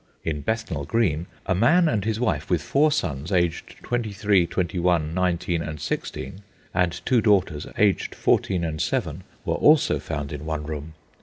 In Bethnal Green a man and his wife, with four sons, aged twenty three, twenty one, nineteen, and sixteen, and two daughters, aged fourteen and seven, were also found in one room.